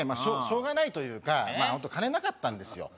しょうがないというか金なかったんですよ